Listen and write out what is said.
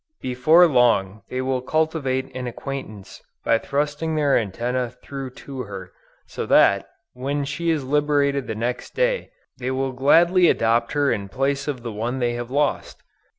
Before long, they will cultivate an acquaintance, by thrusting their antennæ through to her; so that, when she is liberated the next day, they will gladly adopt her in place of the one they have lost.